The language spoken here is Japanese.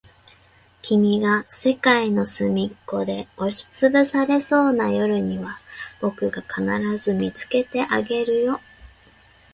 君が世界のすみっこで押しつぶされそうな夜には、僕が必ず見つけてあげるよ。